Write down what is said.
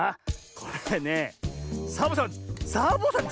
これねサボさんサボさん